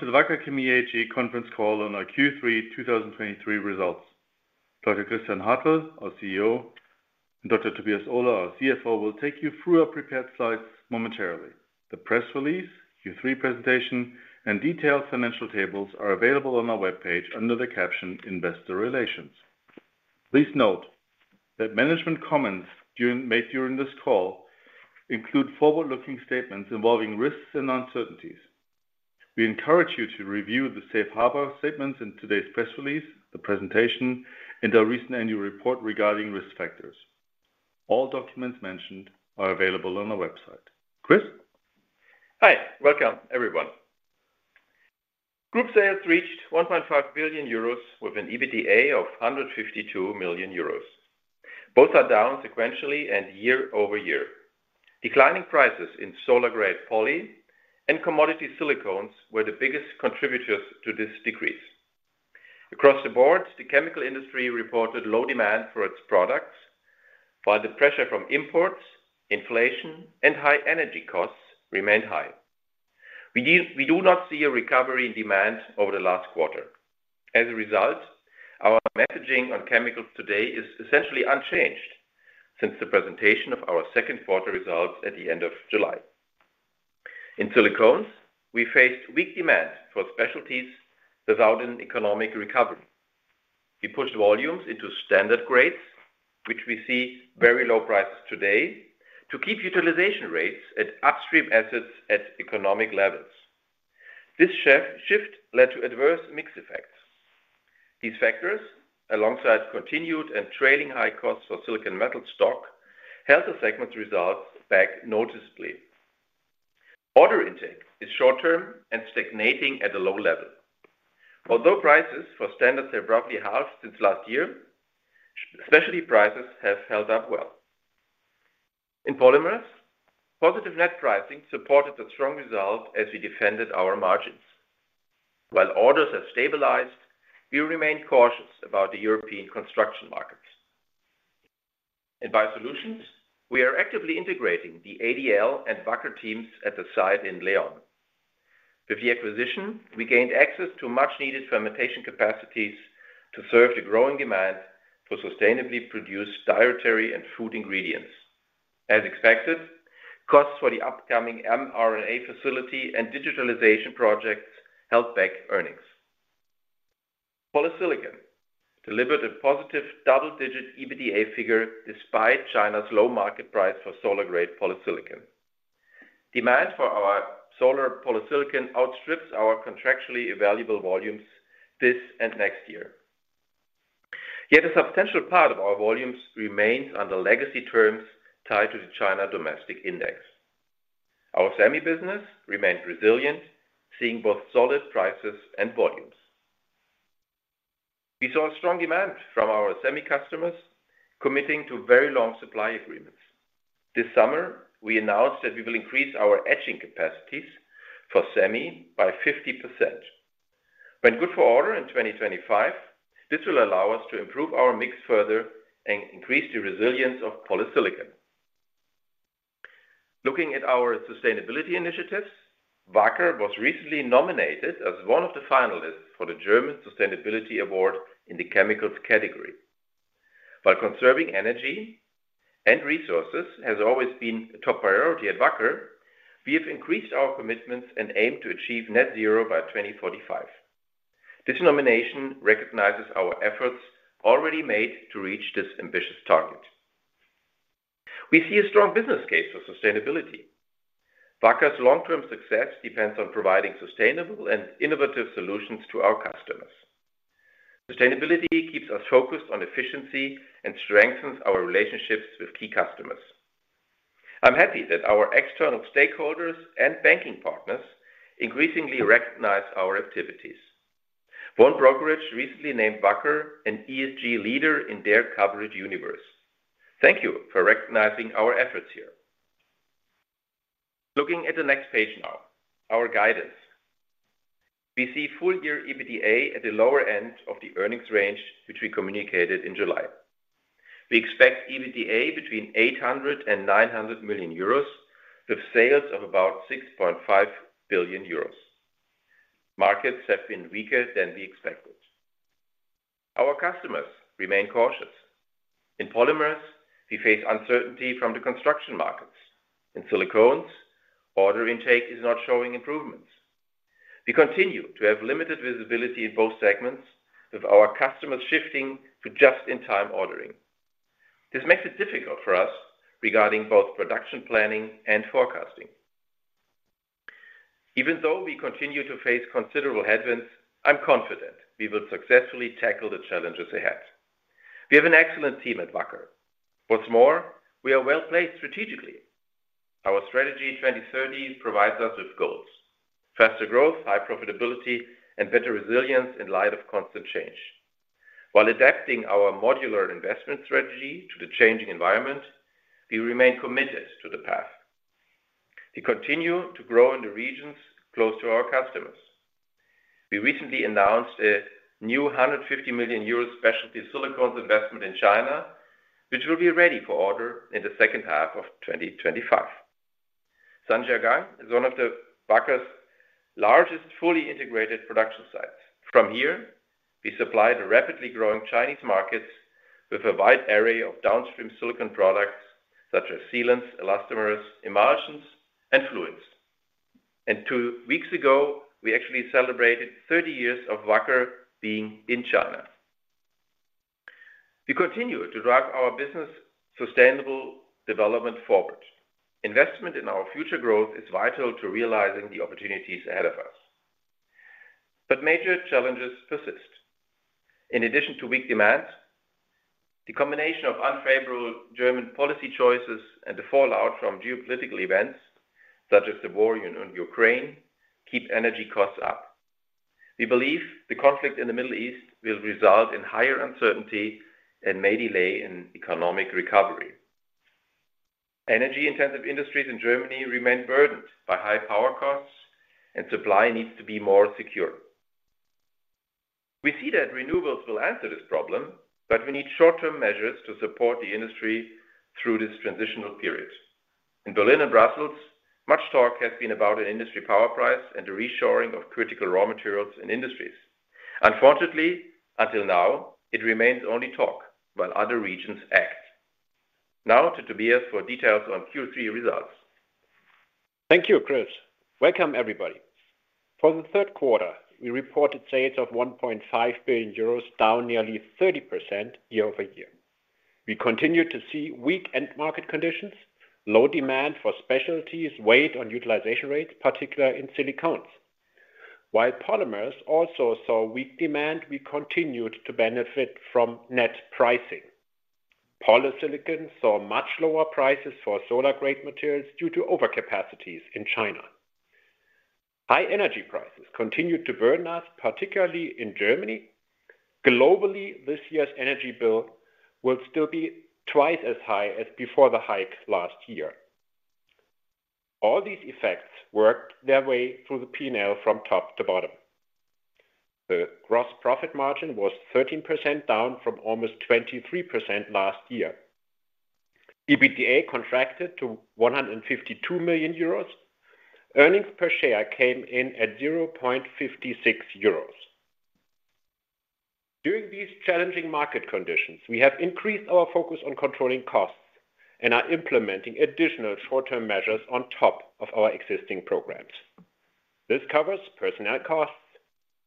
Welcome to the Wacker Chemie AG conference call on our Q3 2023 results. Dr. Christian Hartel, our CEO, and Dr. Tobias Ohler, our CFO, will take you through our prepared slides momentarily. The press release, Q3 presentation, and detailed financial tables are available on our webpage under the caption Investor Relations. Please note that management comments made during this call include forward-looking statements involving risks and uncertainties. We encourage you to review the safe harbor statements in today's press release, the presentation, and our recent annual report regarding risk factors. All documents mentioned are available on our website. Chris? Hi. Welcome, everyone. Group sales reached 1.5 billion euros, with an EBITDA of 152 million euros. Both are down sequentially and year-over-year. Declining prices in solar-grade poly and commodity Silicones were the biggest contributors to this decrease. Across the board, the chemical industry reported low demand for its products, while the pressure from imports, inflation, and high energy costs remained high. We do not see a recovery in demand over the last quarter. As a result, our messaging on chemicals today is essentially unchanged since the presentation of our second quarter results at the end of July. In Silicones, we faced weak demand for specialties without an economic recovery. We pushed volumes into standard grades, which we see very low prices today, to keep utilization rates at upstream assets at economic levels. This shift led to adverse mix effects. These factors, alongside continued and trailing high costs for silicon metal stock, held the segment's results back noticeably. Order intake is short-term and stagnating at a low level. Although prices for standards have roughly halved since last year, specialty prices have held up well. In Polymers, positive net pricing supported a strong result as we defended our margins. While orders have stabilized, we remain cautious about the European construction markets. In Biosolutions, we are actively integrating the ADL and Wacker teams at the site in León. With the acquisition, we gained access to much-needed fermentation capacities to serve the growing demand for sustainably produced dietary and food ingredients. As expected, costs for the upcoming mRNA facility and digitalization projects held back earnings. Polysilicon delivered a positive double-digit EBITDA figure despite China's low market price for solar-grade Polysilicon. Demand for our solar Polysilicon outstrips our contractually available volumes this and next year. Yet a substantial part of our volumes remains under legacy terms tied to the China domestic index. Our semi business remained resilient, seeing both solid prices and volumes. We saw strong demand from our semi customers, committing to very long supply agreements. This summer, we announced that we will increase our etching capacities for semi by 50%. When good for order in 2025, this will allow us to improve our mix further and increase the resilience of Polysilicon. Looking at our sustainability initiatives, Wacker was recently nominated as one of the finalists for the German Sustainability Award in the Chemicals category. While conserving energy and resources has always been a top priority at Wacker, we have increased our commitments and aim to achieve net zero by 2045. This nomination recognizes our efforts already made to reach this ambitious target. We see a strong business case for sustainability. Wacker's long-term success depends on providing sustainable and innovative solutions to our customers. Sustainability keeps us focused on efficiency and strengthens our relationships with key customers. I'm happy that our external stakeholders and banking partners increasingly recognize our activities. One brokerage recently named Wacker an ESG leader in their coverage universe. Thank you for recognizing our efforts here. Looking at the next page now, our guidance. We see full-year EBITDA at the lower end of the earnings range, which we communicated in July. We expect EBITDA between 800 million euros and 900 million euros, with sales of about 6.5 billion euros. Markets have been weaker than we expected. Our customers remain cautious. In polymers, we face uncertainty from the construction markets. In Silicones, order intake is not showing improvements. We continue to have limited visibility in both segments, with our customers shifting to just-in-time ordering. This makes it difficult for us regarding both production, planning, and forecasting. Even though we continue to face considerable headwinds, I'm confident we will successfully tackle the challenges ahead. We have an excellent team at Wacker. What's more, we are well-placed strategically. Our Strategy 2030 provides us with goals, faster growth, high profitability, and better resilience in light of constant change. While adapting our modular investment strategy to the changing environment, we remain committed to the path. We continue to grow in the regions close to our customers. We recently announced a new 150 million euro specialty Silicones investment in China, which will be ready for order in the second half of 2025. Zhangjiagang is one of Wacker's largest, fully integrated production sites. From here, we supply the rapidly growing Chinese markets with a wide array of downstream silicon products, such as sealants, elastomers, emulsions, and fluids. Two weeks ago, we actually celebrated 30 years of Wacker being in China. We continue to drive our business sustainable development forward. Investment in our future growth is vital to realizing the opportunities ahead of us, but major challenges persist. In addition to weak demand, the combination of unfavorable German policy choices and the fallout from geopolitical events, such as the war in Ukraine, keep energy costs up. We believe the conflict in the Middle East will result in higher uncertainty and may delay an economic recovery. Energy-intensive industries in Germany remain burdened by high power costs, and supply needs to be more secure. We see that renewables will answer this problem, but we need short-term measures to support the industry through this transitional period. In Berlin and Brussels, much talk has been about an industry power price and the reshoring of critical raw materials in industries. Unfortunately, until now, it remains only talk while other regions act. Now to Tobias for details on Q3 results. Thank you, Chris. Welcome, everybody. For the third quarter, we reported sales of 1.5 billion euros, down nearly 30% year-over-year. We continued to see weak end market conditions. Low demand for specialties weighed on utilization rates, particularly in Silicones. While polymers also saw weak demand, we continued to benefit from net pricing. Polysilicon saw much lower prices for solar-grade materials due to overcapacities in China. High energy prices continued to burden us, particularly in Germany. Globally, this year's energy bill will still be twice as high as before the hike last year. All these effects worked their way through the P&L from top to bottom. The gross profit margin was 13%, down from almost 23% last year. EBITDA contracted to 152 million euros. Earnings per share came in at 0.56 euros. During these challenging market conditions, we have increased our focus on controlling costs and are implementing additional short-term measures on top of our existing programs. This covers personnel costs,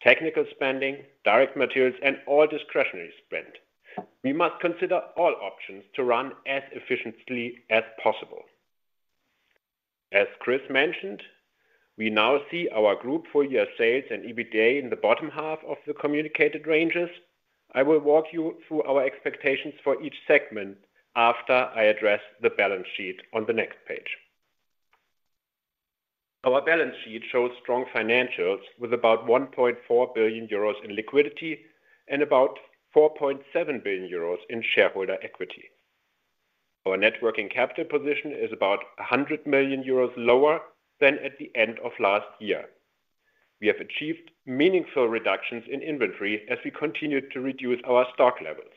technical spending, direct materials, and all discretionary spend. We must consider all options to run as efficiently as possible. As Chris mentioned, we now see our group full year sales and EBITDA in the bottom half of the communicated ranges. I will walk you through our expectations for each segment after I address the balance sheet on the next page. Our balance sheet shows strong financials with about 1.4 billion euros in liquidity and about 4.7 billion euros in shareholder equity. Our net working capital position is about 100 million euros lower than at the end of last year. We have achieved meaningful reductions in inventory as we continued to reduce our stock levels.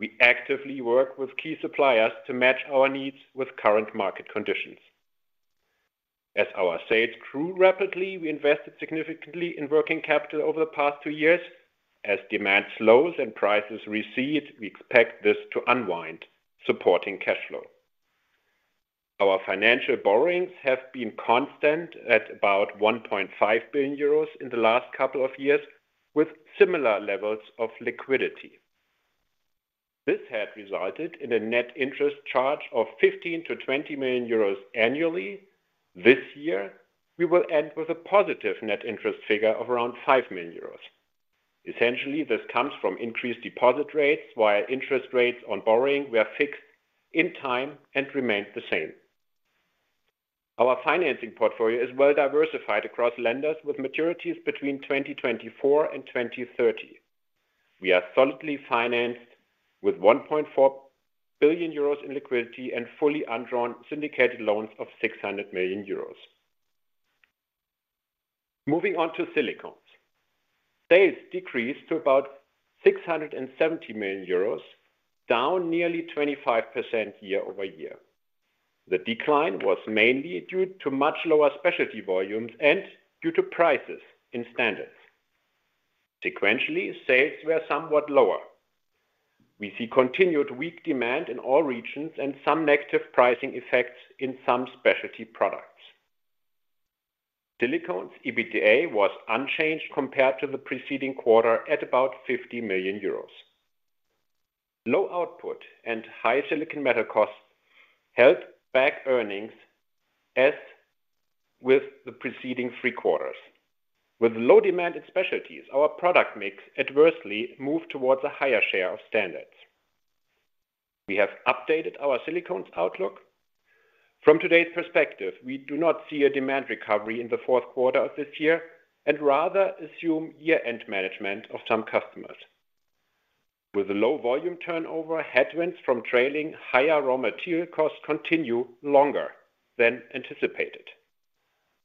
We actively work with key suppliers to match our needs with current market conditions. As our sales grew rapidly, we invested significantly in working capital over the past two years. As demand slows and prices recede, we expect this to unwind, supporting cash flow. Our financial borrowings have been constant at about 1.5 billion euros in the last couple of years, with similar levels of liquidity. This had resulted in a net interest charge of 15 million-20 million euros annually. This year, we will end with a positive net interest figure of around 5 million euros. Essentially, this comes from increased deposit rates, while interest rates on borrowing were fixed in time and remained the same. Our financing portfolio is well diversified across lenders with maturities between 2024 and 2030. We are solidly financed with 1.4 billion euros in liquidity and fully undrawn syndicated loans of 600 million euros. Moving on to Silicones. Sales decreased to about 670 million euros, down nearly 25% year-over-year. The decline was mainly due to much lower specialty volumes and due to prices in standards. Sequentially, sales were somewhat lower. We see continued weak demand in all regions and some negative pricing effects in some specialty products. Silicones EBITDA was unchanged compared to the preceding quarter at about 50 million euros. Low output and high silicon metal costs held back earnings, as with the preceding three quarters. With low demand in specialties, our product mix adversely moved towards a higher share of standards. We have updated our Silicones outlook. From today's perspective, we do not see a demand recovery in the fourth quarter of this year and rather assume year-end management of some customers. With a low volume turnover, headwinds from trailing higher raw material costs continue longer than anticipated....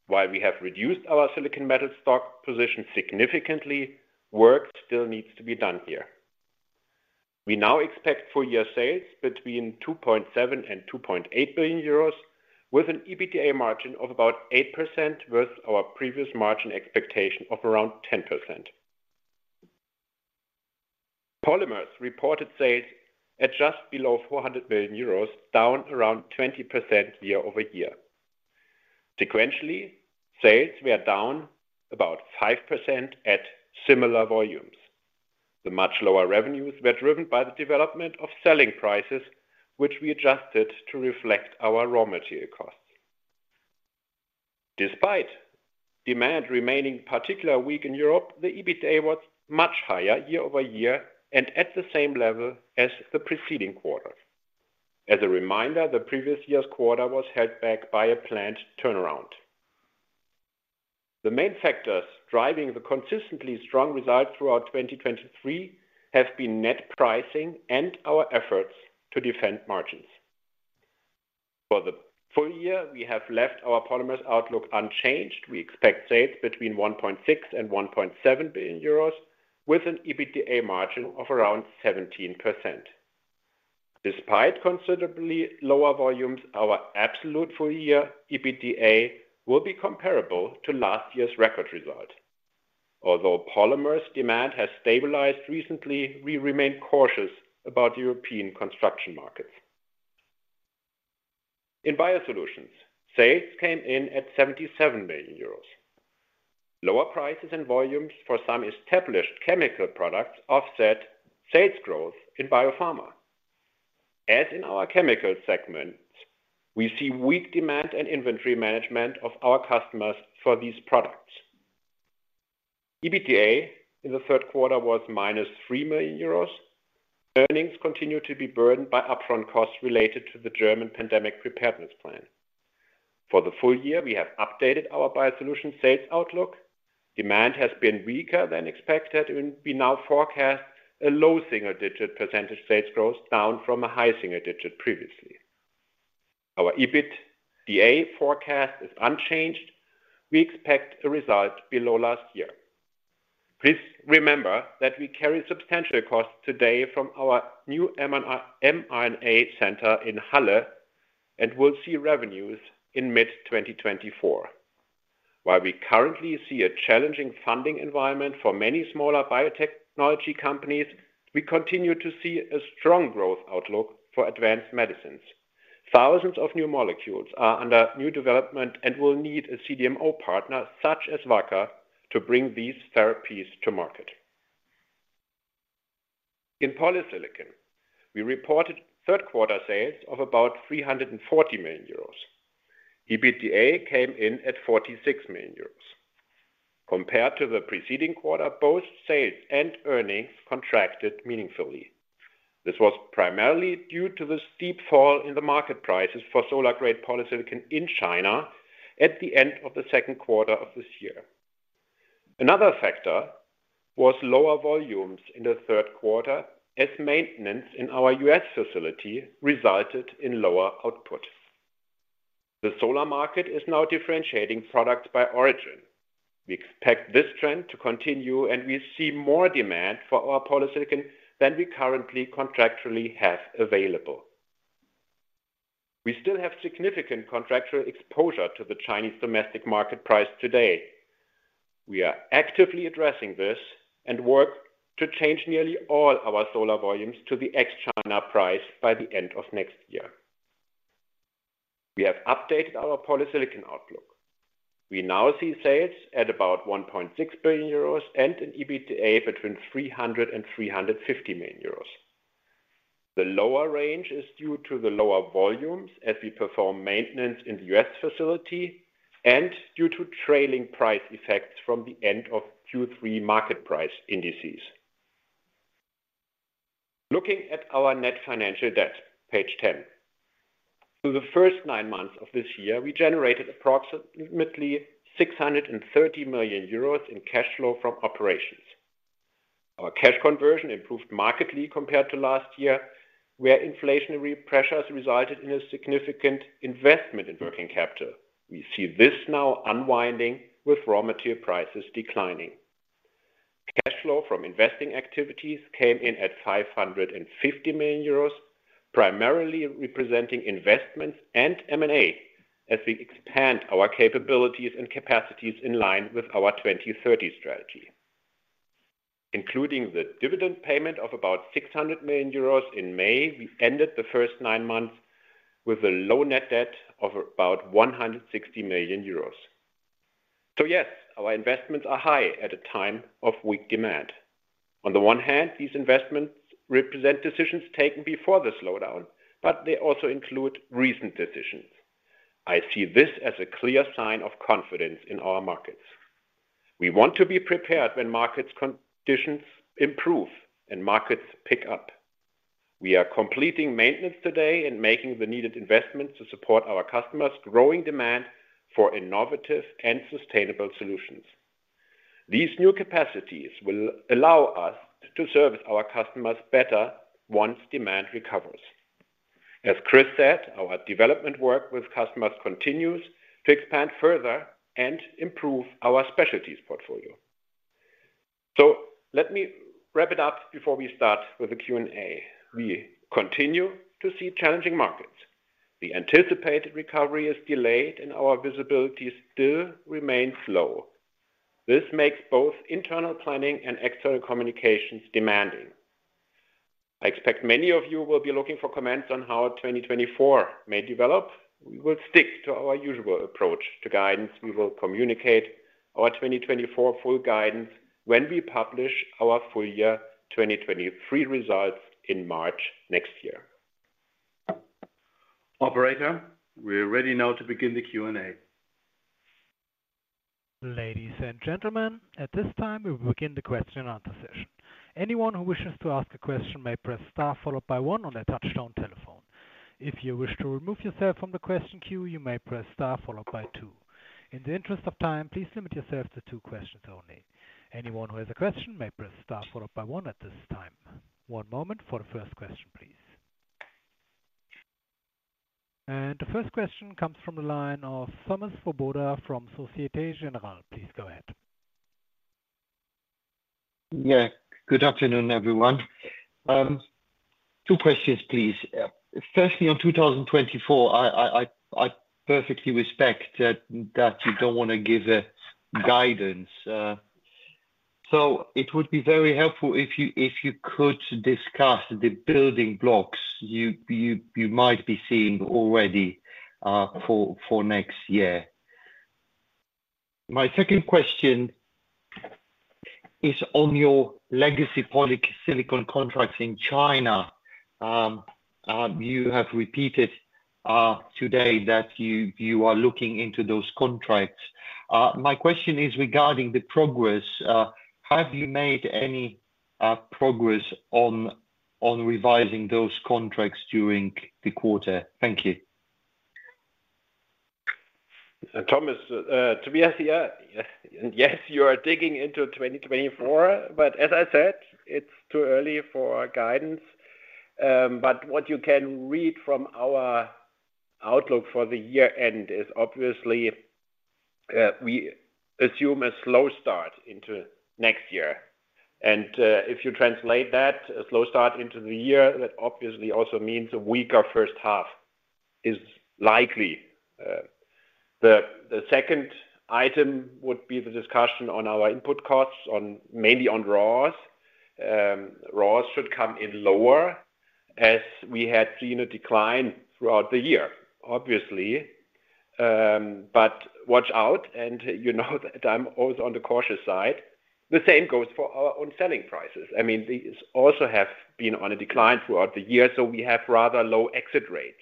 While we have reduced our silicon metal stock position significantly, work still needs to be done here. We now expect full year sales between 2.7 billion and 2.8 billion euros, with an EBITDA margin of about 8%, versus our previous margin expectation of around 10%. Polymers reported sales at just below 400 million euros, down around 20% year-over-year. Sequentially, sales were down about 5% at similar volumes. The much lower revenues were driven by the development of selling prices, which we adjusted to reflect our raw material costs. Despite demand remaining particularly weak in Europe, the EBITDA was much higher year-over-year and at the same level as the preceding quarter. As a reminder, the previous year's quarter was held back by a planned turnaround. The main factors driving the consistently strong result throughout 2023 have been net pricing and our efforts to defend margins. For the full year, we have left our polymers outlook unchanged. We expect sales between 1.6 billion and 1.7 billion euros, with an EBITDA margin of around 17%. Despite considerably lower volumes, our absolute full year EBITDA will be comparable to last year's record result. Although polymers demand has stabilized recently, we remain cautious about European construction markets. In Biosolutions, sales came in at 77 million euros. Lower prices and volumes for some established chemical products offset sales growth in Biopharma. As in our chemical segment, we see weak demand and inventory management of our customers for these products. EBITDA in the third quarter was -3 million euros. Earnings continue to be burdened by upfront costs related to the German Pandemic Preparedness Plan. For the full year, we have updated our Biosolutions sales outlook. Demand has been weaker than expected, and we now forecast a low single-digit % sales growth, down from a high single-digit previously. Our EBITDA forecast is unchanged. We expect a result below last year. Please remember that we carry substantial costs today from our new mRNA center in Halle, and will see revenues in mid-2024. While we currently see a challenging funding environment for many smaller biotechnology companies, we continue to see a strong growth outlook for advanced medicines. Thousands of new molecules are under new development and will need a CDMO partner, such as Wacker, to bring these therapies to market. In Polysilicon, we reported third quarter sales of about 340 million euros. EBITDA came in at 46 million euros. Compared to the preceding quarter, both sales and earnings contracted meaningfully. This was primarily due to the steep fall in the market prices for solar-grade Polysilicon in China at the end of the second quarter of this year. Another factor was lower volumes in the third quarter, as maintenance in our US facility resulted in lower output. The solar market is now differentiating products by origin. We expect this trend to continue, and we see more demand for our Polysilicon than we currently contractually have available. We still have significant contractual exposure to the Chinese domestic market price today. We are actively addressing this and work to change nearly all our solar volumes to the ex-China price by the end of next year. We have updated our Polysilicon outlook. We now see sales at about 1.6 billion euros and an EBITDA between 300 million euros and 350 million euros. The lower range is due to the lower volumes as we perform maintenance in the US facility and due to trailing price effects from the end of Q3 market price indices. Looking at our net financial debt, page ten. Through the first nine months of this year, we generated approximately 630 million euros in cash flow from operations. Our cash conversion improved markedly compared to last year, where inflationary pressures resulted in a significant investment in working capital. We see this now unwinding with raw material prices declining. Cash flow from investing activities came in at 550 million euros, primarily representing investments and M&A as we expand our capabilities and capacities in line with our Strategy 2030. Including the dividend payment of about 600 million euros in May, we ended the first nine months with a low net debt of about 160 million euros. So yes, our investments are high at a time of weak demand. On the one hand, these investments represent decisions taken before the slowdown, but they also include recent decisions. I see this as a clear sign of confidence in our markets. We want to be prepared when market conditions improve and markets pick up. We are completing maintenance today and making the needed investments to support our customers' growing demand for innovative and sustainable solutions. These new capacities will allow us to service our customers better once demand recovers. As Chris said, our development work with customers continues to expand further and improve our specialties portfolio. So let me wrap it up before we start with the Q&A. We continue to see challenging markets. The anticipated recovery is delayed, and our visibility still remains low. This makes both internal planning and external communications demanding. I expect many of you will be looking for comments on how 2024 may develop. We will stick to our usual approach to guidance. We will communicate our 2024 full guidance when we publish our full year 2023 results in March next year. Operator, we are ready now to begin the Q&A. Ladies and gentlemen, at this time, we will begin the question and answer session. Anyone who wishes to ask a question may press star followed by one on their touchtone telephone. If you wish to remove yourself from the question queue, you may press star followed by two. In the interest of time, please limit yourself to two questions only. Anyone who has a question may press star followed by one at this time. One moment for the first question, please. The first question comes from the line of Thomas Wrigglesworth from Société Générale. Please go ahead. Yeah. Good afternoon, everyone. Two questions, please. Firstly, on 2024, I perfectly respect that you don't want to give a guidance. So it would be very helpful if you could discuss the building blocks you might be seeing already for next year. My second question is on your legacy Polysilicon contracts in China. You have repeated today that you are looking into those contracts. My question is regarding the progress. Have you made any progress on revising those contracts during the quarter? Thank you. Thomas, to be honest, yeah, yes, you are digging into 2024, but as I said, it's too early for guidance. But what you can read from our outlook for the year end is obviously, we assume a slow start into next year. And, if you translate that, a slow start into the year, that obviously also means a weaker first half is likely. The second item would be the discussion on our input costs on-- mainly on raws. Raws should come in lower, as we had seen a decline throughout the year, obviously. But watch out, and you know that I'm always on the cautious side. The same goes for our own selling prices. I mean, these also have been on a decline throughout the year, so we have rather low exit rates.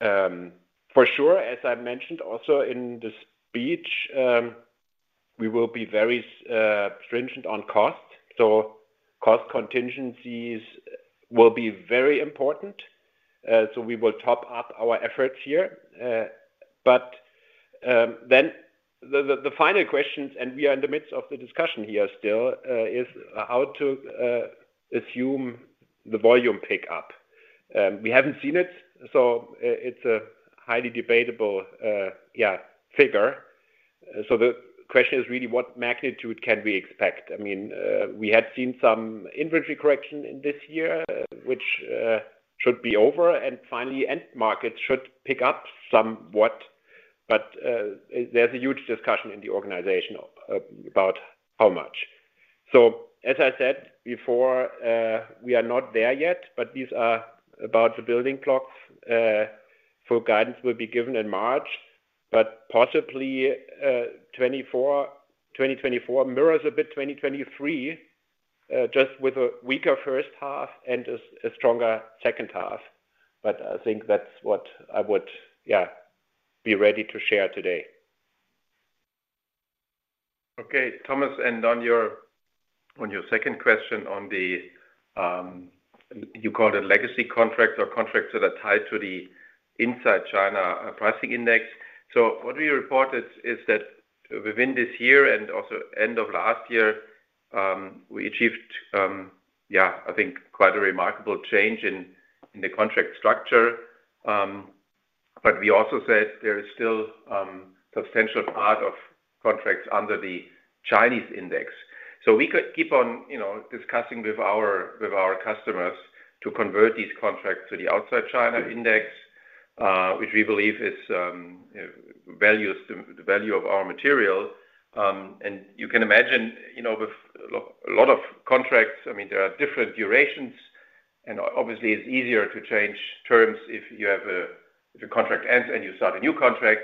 For sure, as I mentioned also in the speech, we will be very stringent on cost, so cost contingencies will be very important. So we will top up our efforts here. But then the final questions, and we are in the midst of the discussion here still, is how to assume the volume pick up. We haven't seen it, so it's a highly debatable figure. So the question is really, what magnitude can we expect? I mean, we had seen some inventory correction in this year, which should be over, and finally, end markets should pick up somewhat. But there's a huge discussion in the organization about how much. So as I said before, we are not there yet, but these are about the building blocks. Full guidance will be given in March, but possibly, twenty twenty-four mirrors a bit twenty twenty-three, just with a weaker first half and a stronger second half. But I think that's what I would, yeah, be ready to share today. Okay, Thomas, and on your, on your second question on the, you called it legacy contracts or contracts that are tied to the inside China pricing index. So what we reported is that within this year and also end of last year, we achieved, yeah, I think quite a remarkable change in, in the contract structure. But we also said there is still, substantial part of contracts under the Chinese index. So we could keep on, you know, discussing with our, with our customers to convert these contracts to the outside China index, which we believe is, values the value of our material. You can imagine, you know, with a lot, a lot of contracts, I mean, there are different durations, and obviously, it's easier to change terms if you have a—if a contract ends and you start a new contract.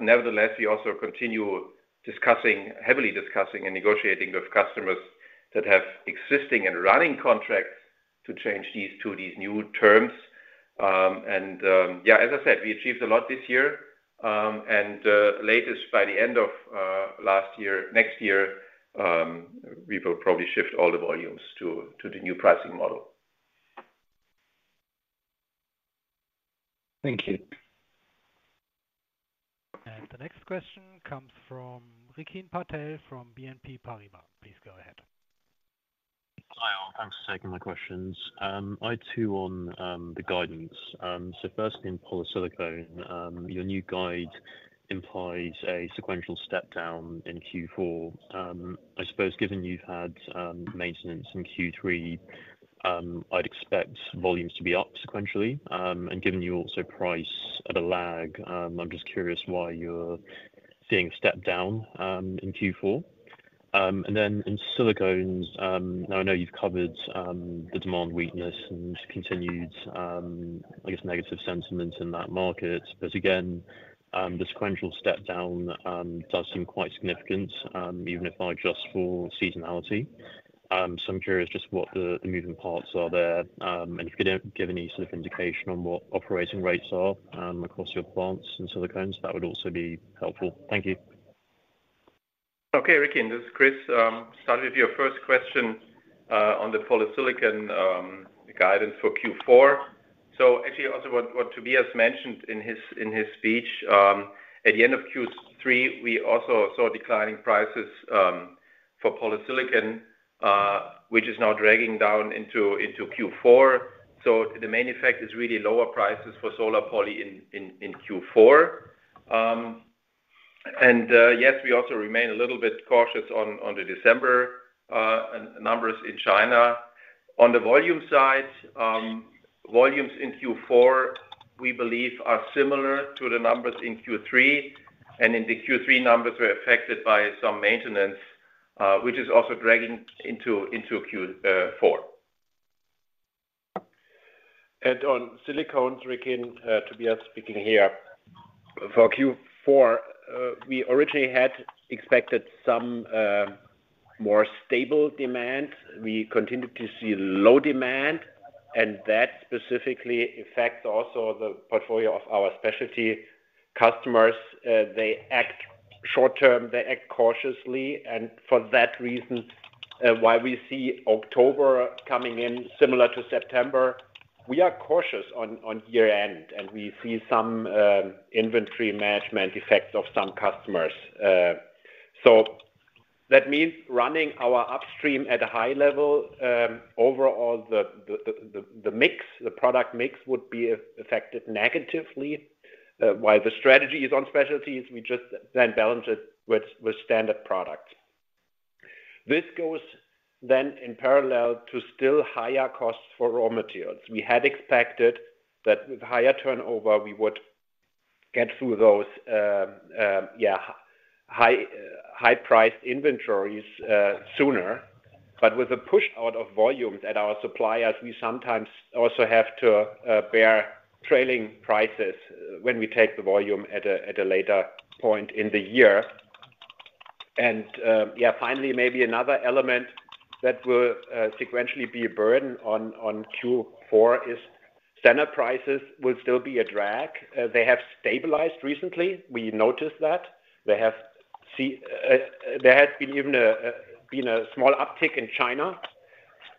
Nevertheless, we also continue discussing, heavily discussing and negotiating with customers that have existing and running contracts to change these to these new terms. Yeah, as I said, we achieved a lot this year. Latest by the end of last year—next year, we will probably shift all the volumes to the new pricing model. Thank you.... The next question comes from Rikin Patel from BNP Paribas. Please go ahead. Hi, all. Thanks for taking my questions. I too, on the guidance. So first in Polysilicon, your new guide implies a sequential step down in Q4. I suppose given you've had maintenance in Q3, I'd expect volumes to be up sequentially. And given you also price at a lag, I'm just curious why you're seeing a step down in Q4. And then in Silicones, now I know you've covered the demand weakness and continued, I guess, negative sentiment in that market, but again, the sequential step down does seem quite significant, even if I adjust for seasonality. I'm curious just what the moving parts are there, and if you could give any sort of indication on what operating rates are, across your plants and Silicones, that would also be helpful. Thank you. Okay, Rikin, this is Chris. Starting with your first question on the Polysilicon guidance for Q4. So actually, also what Tobias mentioned in his speech at the end of Q3, we also saw declining prices for Polysilicon, which is now dragging down into Q4. So the main effect is really lower prices for solar poly in Q4. And yes, we also remain a little bit cautious on the December numbers in China. On the volume side, volumes in Q4, we believe, are similar to the numbers in Q3, and in the Q3 numbers were affected by some maintenance, which is also dragging into Q4. And on Silicones, Rikin, Tobias speaking here. For Q4, we originally had expected some more stable demand. We continued to see low demand, and that specifically affects also the portfolio of our specialty customers. They act short-term, they act cautiously, and for that reason, why we see October coming in similar to September, we are cautious on year-end, and we see some inventory management effects of some customers. So that means running our upstream at a high level, overall, the product mix would be affected negatively. While the strategy is on specialties, we just then balance it with standard products. This goes then in parallel to still higher costs for raw materials. We had expected that with higher turnover, we would get through those high-priced inventories sooner, but with a push out of volumes at our suppliers, we sometimes also have to bear trailing prices when we take the volume at a later point in the year. And finally, maybe another element that will sequentially be a burden on Q4 is standard prices will still be a drag. They have stabilized recently. We noticed that. There has been even a small uptick in China,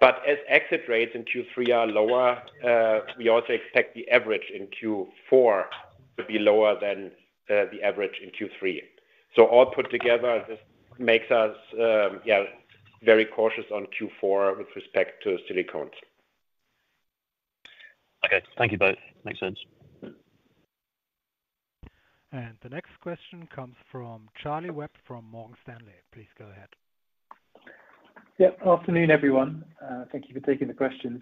but as exit rates in Q3 are lower, we also expect the average in Q4 to be lower than the average in Q3. So all put together, this makes us very cautious on Q4 with respect to Silicones. Okay. Thank you both. Makes sense. The next question comes from Charlie Webb, from Morgan Stanley. Please go ahead. Yep. Afternoon, everyone. Thank you for taking the questions.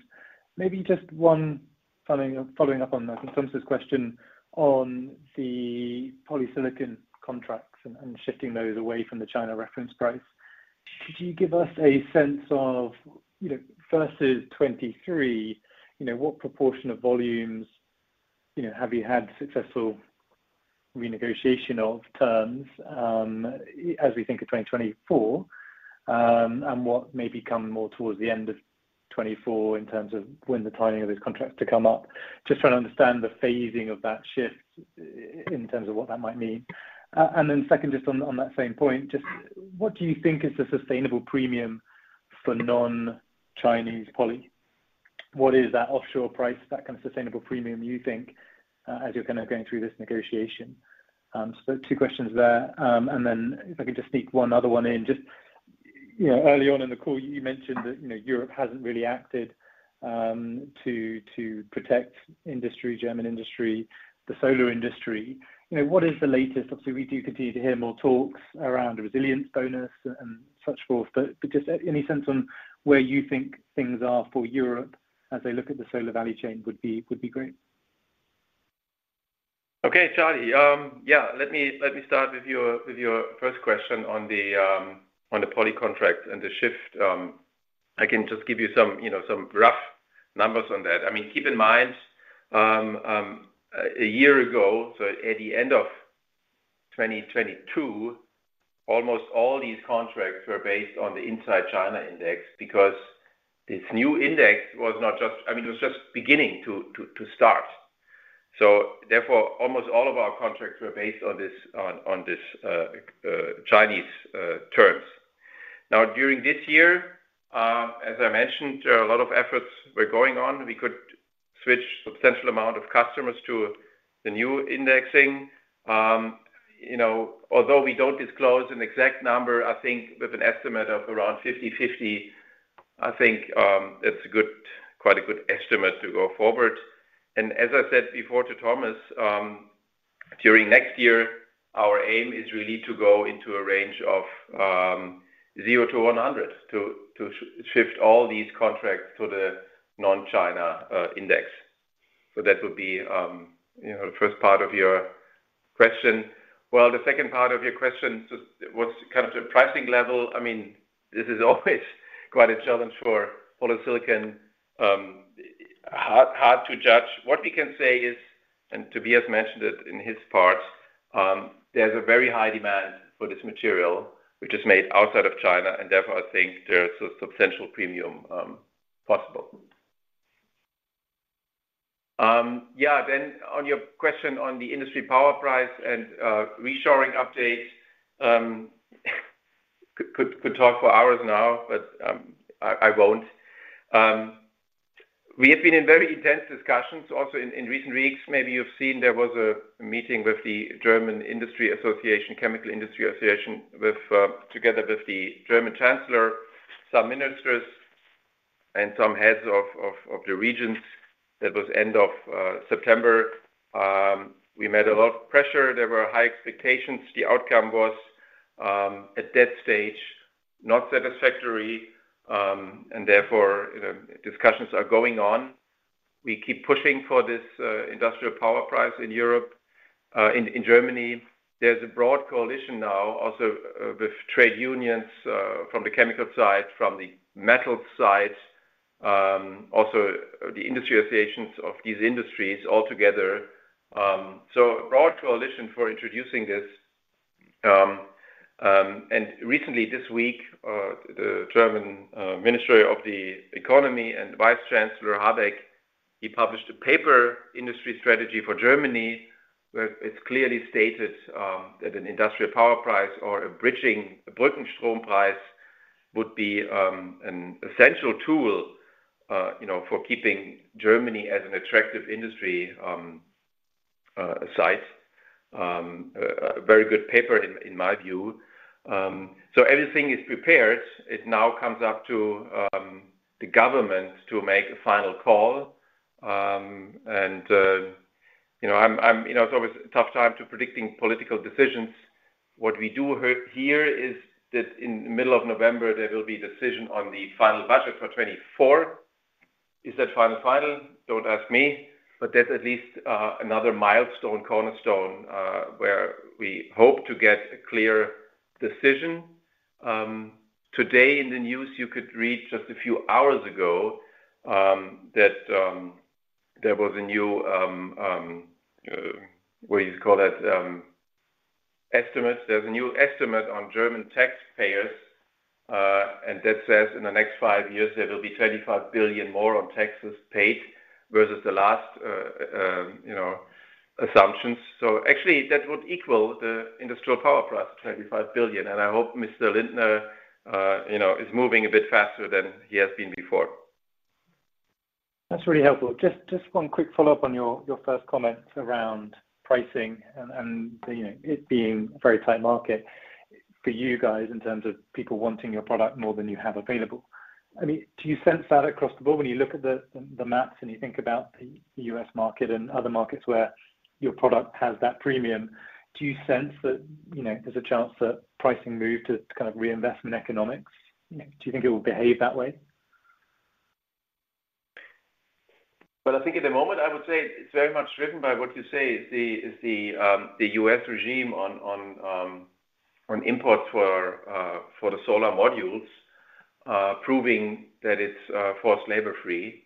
Maybe just one following, following up on Thomas's question on the Polysilicon contracts and, and shifting those away from the China reference price. Could you give us a sense of, you know, versus 2023, you know, what proportion of volumes, you know, have you had successful renegotiation of terms, as we think of 2024, and what may be coming more towards the end of 2024 in terms of when the timing of these contracts to come up? Just trying to understand the phasing of that shift in terms of what that might mean. And then second, just on, on that same point, just what do you think is the sustainable premium for non-Chinese poly? What is that offshore price, that kind of sustainable premium you think, as you're kinda going through this negotiation? So two questions there. And then if I could just sneak one other one in. Just, you know, early on in the call, you mentioned that, you know, Europe hasn't really acted, to, to protect industry, German industry, the solar industry. You know, what is the latest? Obviously, we do continue to hear more talks around a resilience bonus and such forth, but, but just any sense on where you think things are for Europe as they look at the solar value chain would be, would be great. Okay, Charlie. Yeah, let me, let me start with your, with your first question on the, on the poly contract and the shift. I can just give you some, you know, some rough numbers on that. I mean, keep in mind, a year ago, so at the end of 2022, almost all these contracts were based on the inside China index, because this new index was not just... I mean, it was just beginning to start. So therefore, almost all of our contracts were based on this, on, on this, Chinese terms. Now, during this year, as I mentioned, there are a lot of efforts were going on. We could switch substantial amount of customers to the new indexing. You know, although we don't disclose an exact number, I think with an estimate of around 50/50, I think it's quite a good estimate to go forward. As I said before to Thomas, during next year, our aim is really to go into a range of 0-100, to shift all these contracts to the non-China index. So that would be, you know, the first part of your question. Well, the second part of your question, so was kind of the pricing level. I mean, this is always quite a challenge for Polysilicon. Hard to judge. What we can say is, and Tobias mentioned it in his part, there's a very high demand for this material, which is made outside of China, and therefore, I think there's a substantial premium possible. Yeah, then on your question on the industry power price and reshoring update, could talk for hours now, but I won't. We have been in very intense discussions also in recent weeks. Maybe you've seen there was a meeting with the German Industry Association, Chemical Industry Association, with together with the German Chancellor, some ministers, and some heads of the regions. That was end of September. We met a lot of pressure. There were high expectations. The outcome was, at that stage, not satisfactory, and therefore, you know, discussions are going on. We keep pushing for this industrial power price in Europe. In Germany, there's a broad coalition now, also, with trade unions, from the chemical side, from the metal side, also the industry associations of these industries all together. So a broad coalition for introducing this. And recently this week, the German Ministry of the Economy and Vice Chancellor Habeck, he published a paper, Industry Strategy for Germany, where it's clearly stated, that an industrial power price or a bridging, Brückenstrom price would be, an essential tool, you know, for keeping Germany as an attractive industry, site. A very good paper, in my view. So everything is prepared. It now comes up to, the government to make a final call. And, you know, I'm-- you know, it's always a tough time to predicting political decisions. What we do hear is that in the middle of November, there will be decision on the final budget for 2024. Is that final final? Don't ask me, but that's at least another milestone, cornerstone, where we hope to get a clear decision. Today in the news, you could read just a few hours ago, that what do you call that? Estimate. There's a new estimate on German taxpayers, and that says in the next five years, there will be 25 billion more on taxes paid versus the last, you know, assumptions. So actually, that would equal the industrial power price, 25 billion. And I hope Mr. Lindner, you know, is moving a bit faster than he has been before. That's really helpful. Just one quick follow-up on your first comment around pricing and, you know, it being a very tight market for you guys in terms of people wanting your product more than you have available. I mean, do you sense that across the board when you look at the maps and you think about the US market and other markets where your product has that premium? Do you sense that, you know, there's a chance that pricing move to kind of reinvestment economics? Do you think it will behave that way? Well, I think at the moment, I would say it's very much driven by what you say is the U.S. regime on import for the solar modules, proving that it's forced labor free.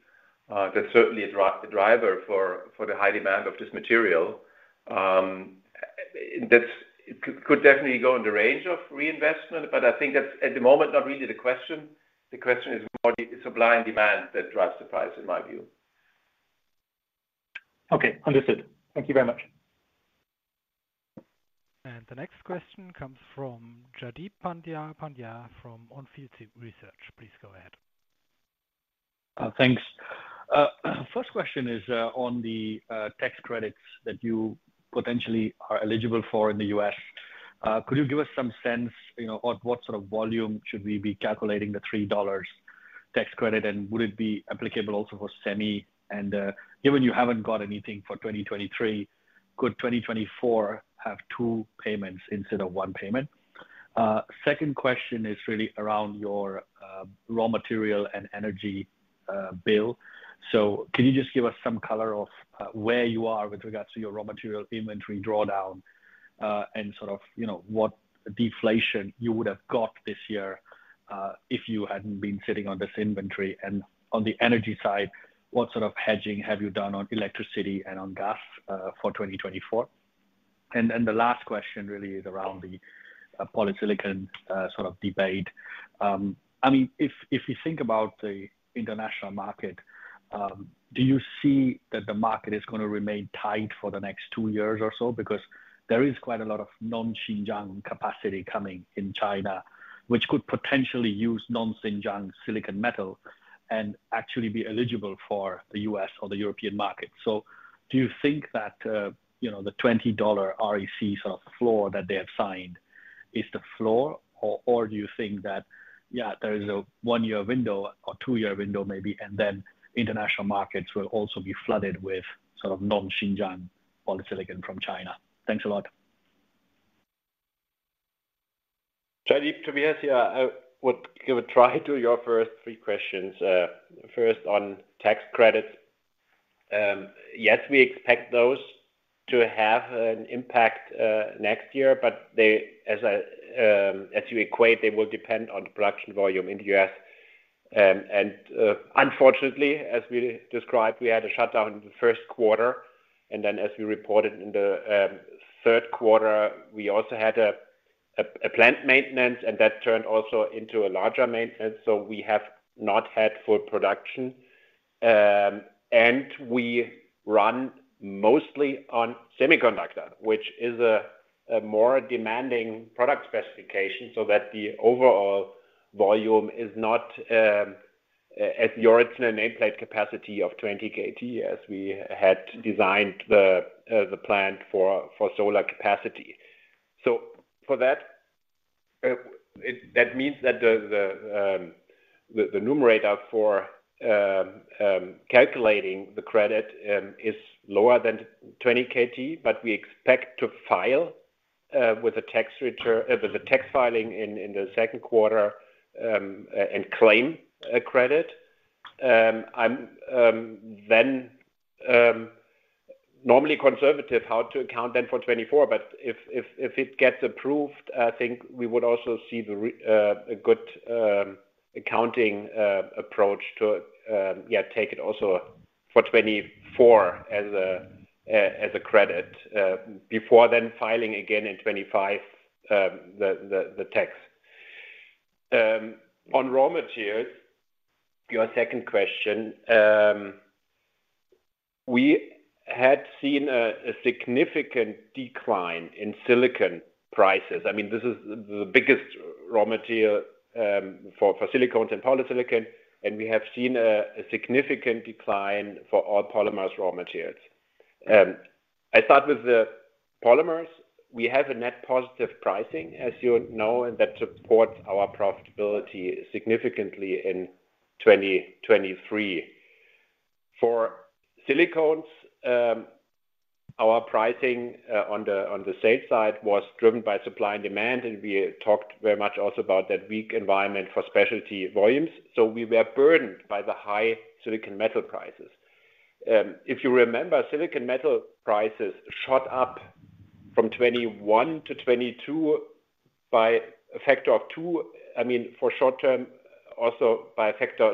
That's certainly a driver for the high demand of this material. It could definitely go in the range of reinvestment, but I think that's, at the moment, not really the question. The question is more the supply and demand that drives the price, in my view. Okay, understood. Thank you very much. The next question comes from Jaideep Pandya, Pandya from On Field Research. Please go ahead. Thanks. First question is on the tax credits that you potentially are eligible for in the US. Could you give us some sense, you know, on what sort of volume should we be calculating the $3 tax credit, and would it be applicable also for semi? And, given you haven't got anything for 2023, could 2024 have two payments instead of one payment? Second question is really around your raw material and energy bill. So can you just give us some color of where you are with regards to your raw material inventory drawdown, and sort of, you know, what deflation you would have got this year, if you hadn't been sitting on this inventory? On the energy side, what sort of hedging have you done on electricity and on gas for 2024? And the last question really is around the Polysilicon sort of debate. I mean, if you think about the international market, do you see that the market is gonna remain tight for the next two years or so? Because there is quite a lot of non-Xinjiang capacity coming in China, which could potentially use non-Xinjiang silicon metal... and actually be eligible for the U.S. or the European market. So do you think that, you know, the $20 REC sort of floor that they have signed is the floor, or do you think that, yeah, there is a one-year window or two-year window maybe, and then international markets will also be flooded with sort of non-Xinjiang Polysilicon from China? Thanks a lot. Jaideep, Tobias here. I would give a try to your first three questions. First, on tax credits. Yes, we expect those to have an impact next year, but they—as you equate, they will depend on the production volume in the U.S. Unfortunately, as we described, we had a shutdown in the first quarter, and then as we reported in the third quarter, we also had a plant maintenance, and that turned also into a larger maintenance, so we have not had full production. We run mostly on semiconductor, which is a more demanding product specification, so the overall volume is not at the original nameplate capacity of 20 KT, as we had designed the plant for, for solar capacity. So for that, that means that the numerator for calculating the credit is lower than 20 KT, but we expect to file with a tax return with a tax filing in the second quarter and claim a credit. I'm then normally conservative how to account then for 2024, but if it gets approved, I think we would also see a good accounting approach to yeah take it also for 2024 as a credit before then filing again in 2025 the tax. On raw materials, your second question. We had seen a significant decline in silicon prices. I mean, this is the biggest raw material for Silicones and Polysilicon, and we have seen a significant decline for all polymers raw materials. I start with the polymers. We have a net positive pricing, as you know, and that supports our profitability significantly in 2023. For Silicones, our pricing on the sales side was driven by supply and demand, and we talked very much also about that weak environment for specialty volumes. So we were burdened by the high silicon metal prices. If you remember, silicon metal prices shot up from 2021 to 2022 by a factor of two. I mean, for short term, also by a factor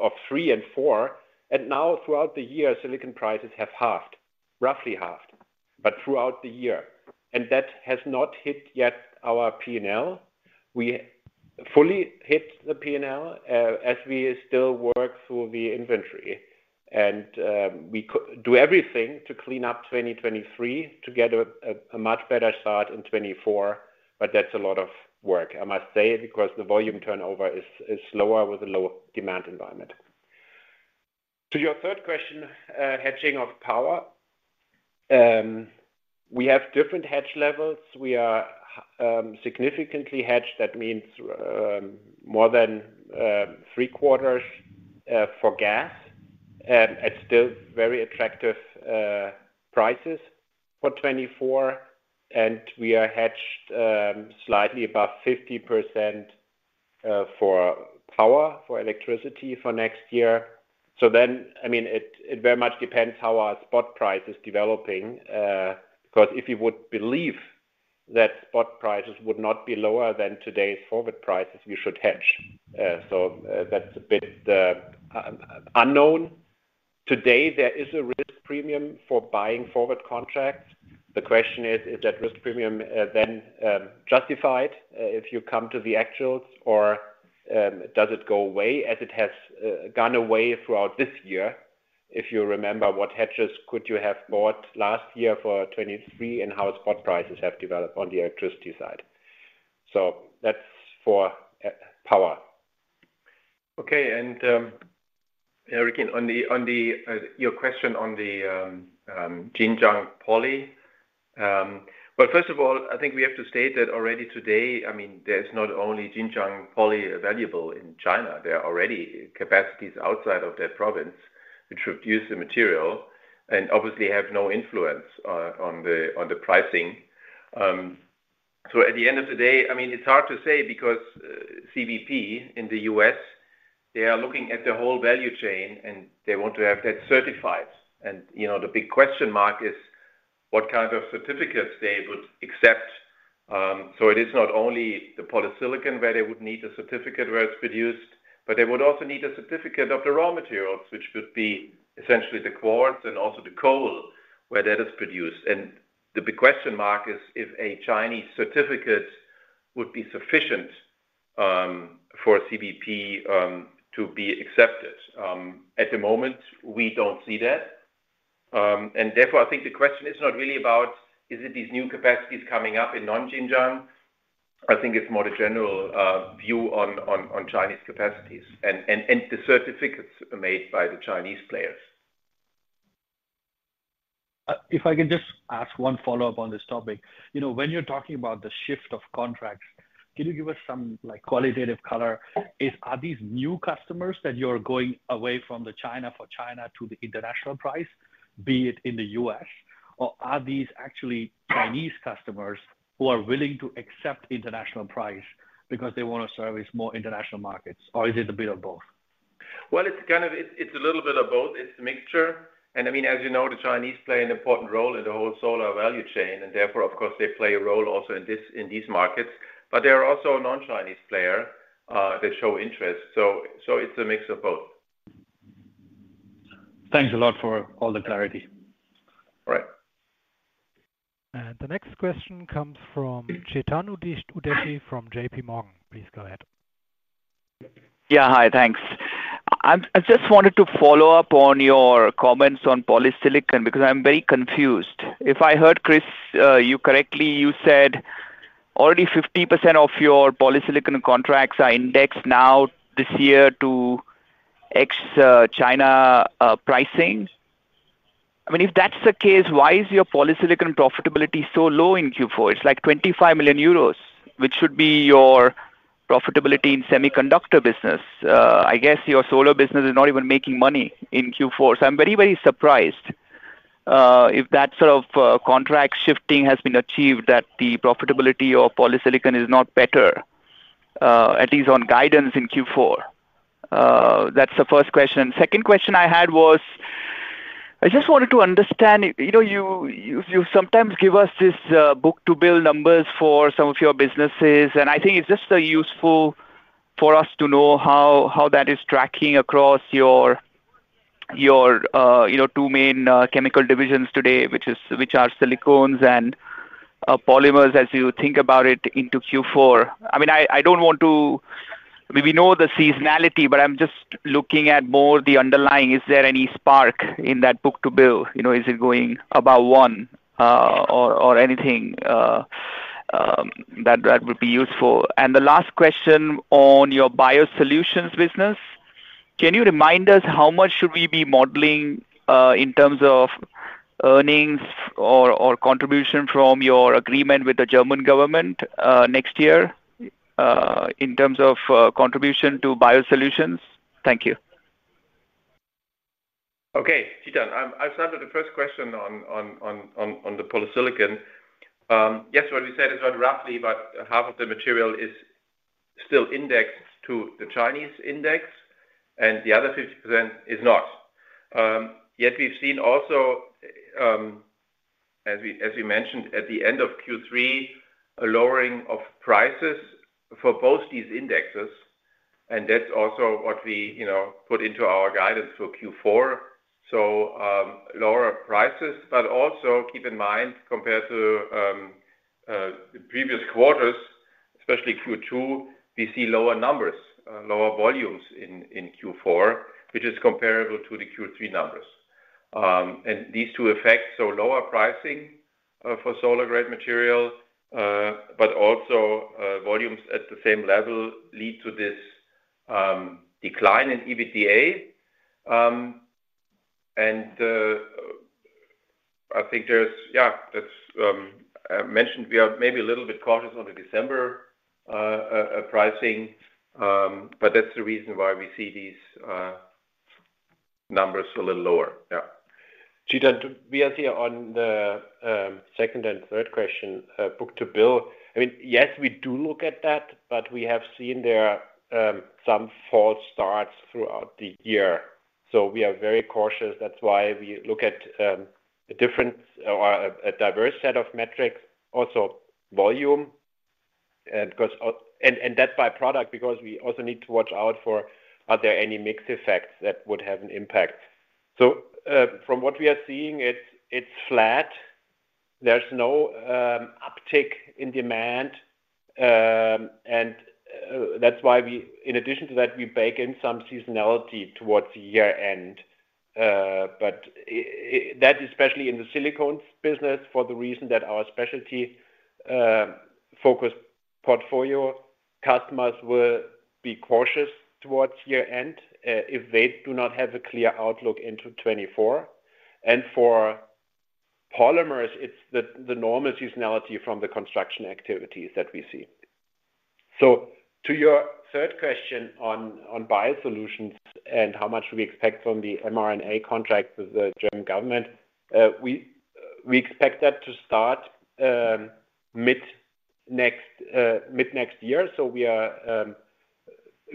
of three and four. And now throughout the year, silicon prices have halved, roughly halved, but throughout the year, and that has not hit yet our P&L. We fully hit the P&L as we still work through the inventory. And we do everything to clean up 2023 to get a much better start in 2024, but that's a lot of work. I must say it because the volume turnover is lower with a lower demand environment. To your third question, hedging of power. We have different hedge levels. We are significantly hedged. That means more than three quarters for gas at still very attractive prices for 2024, and we are hedged slightly above 50% for power, for electricity for next year. So then, I mean, it very much depends how our spot price is developing because if you would believe that spot prices would not be lower than today's forward prices, we should hedge. That's a bit unknown. Today, there is a risk premium for buying forward contracts. The question is: Is that risk premium then justified if you come to the actuals, or does it go away as it has gone away throughout this year? If you remember, what hedges could you have bought last year for 23 and how spot prices have developed on the electricity side. That's for power. Okay, again, on your question on the Xinjiang poly. Well, first of all, I think we have to state that already today, I mean, there's not only Xinjiang poly available in China. There are already capacities outside of that province which produce the material and obviously have no influence on the pricing. So at the end of the day, I mean, it's hard to say because, CBP in the U.S., they are looking at the whole value chain, and they want to have that certified. And, you know, the big question mark is what kind of certificates they would accept. So it is not only the Polysilicon where they would need a certificate where it's produced, but they would also need a certificate of the raw materials, which would be essentially the quartz and also the coal, where that is produced. And the big question mark is if a Chinese certificate would be sufficient, for CBP, to be accepted. At the moment, we don't see that. And therefore, I think the question is not really about, is it these new capacities coming up in non-Xinjiang? I think it's more the general view on Chinese capacities and the certificates made by the Chinese players. If I can just ask one follow-up on this topic. You know, when you're talking about the shift of contracts, can you give us some, like, qualitative color? Are these new customers that you're going away from the China, for China to the international price, be it in the U.S., or are these actually Chinese customers who are willing to accept international price because they want to service more international markets, or is it a bit of both? Well, it's kind of, it's a little bit of both. It's a mixture. And I mean, as you know, the Chinese play an important role in the whole solar value chain, and therefore, of course, they play a role also in this, in these markets. But there are also non-Chinese player that show interest. So, it's a mix of both. Thanks a lot for all the clarity. Right. The next question comes from Chetan Udeshi from J.P. Morgan. Please go ahead. Yeah. Hi, thanks. I just wanted to follow up on your comments on Polysilicon, because I'm very confused. If I heard, Chris, you correctly, you said already 50% of your Polysilicon contracts are indexed now this year to ex-China pricing. I mean, if that's the case, why is your Polysilicon profitability so low in Q4? It's like 25 million euros, which should be your profitability in semiconductor business. I guess your solar business is not even making money in Q4. So I'm very, very surprised if that sort of contract shifting has been achieved, that the profitability of Polysilicon is not better, at least on guidance in Q4. That's the first question. Second question I had was, I just wanted to understand, you know, you sometimes give us this book-to-bill numbers for some of your businesses, and I think it's just a useful for us to know how that is tracking across your, you know, two main chemical divisions today, which is--which are Silicones and polymers, as you think about it into Q4. I mean, I don't want to--we know the seasonality, but I'm just looking at more the underlying. Is there any spark in that book-to-bill? You know, is it going above one, or anything that would be useful. And the last question on your Biosolutions business. Can you remind us how much should we be modeling, in terms of earnings or, or contribution from your agreement with the German government, next year, in terms of, contribution to Biosolutions? Thank you. Okay, Chetan. I'll start with the first question on the Polysilicon. Yes, what we said is that roughly about half of the material is still indexed to the Chinese index, and the other 50% is not. Yet we've seen also, as we mentioned at the end of Q3, a lowering of prices for both these indexes, and that's also what we, you know, put into our guidance for Q4. So, lower prices, but also keep in mind, compared to the previous quarters, especially Q2, we see lower numbers, lower volumes in Q4, which is comparable to the Q3 numbers. And these two effects, so lower pricing for solar-grade material, but also volumes at the same level lead to this decline in EBITDA. And I think there's... Yeah, that's, I mentioned we are maybe a little bit cautious on the December pricing, but that's the reason why we see these numbers a little lower. Yeah. Chetan, we are here on the second and third question, book-to-bill. I mean, yes, we do look at that, but we have seen there some false starts throughout the year, so we are very cautious. That's why we look at a different or a diverse set of metrics, also volume, and 'cause-- and, and that's by product, because we also need to watch out for, are there any mixed effects that would have an impact? So, from what we are seeing, it's flat. There's no uptick in demand, and that's why we-- in addition to that, we bake in some seasonality towards the year-end. I-- that, especially in the Silicones business, for the reason that our specialty, focused portfolio, customers will be cautious towards year-end if they do not have a clear outlook into 2024. For polymers, it's the normal seasonality from the construction activities that we see. To your third question on biosolutions and how much we expect from the mRNA contract with the German government, we expect that to start mid-next year. We are